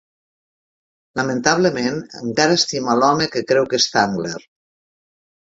Lamentablement, encara estima l"home que creu que és Zangler.